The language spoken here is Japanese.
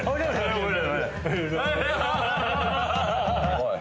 おい。